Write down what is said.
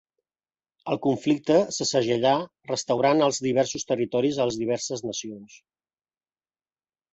El conflicte se segellà restaurant els diversos territoris a les diverses nacions.